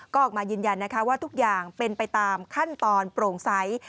ก็ออกมายืนยันนะคะว่าทุกอย่างเป็นไปตามขั้นตอนโปร่งใส